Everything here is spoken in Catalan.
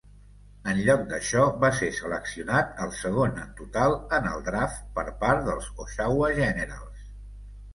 En lloc d'això, va ser seleccionat el segon en total en el draft per part dels Oshawa Generals.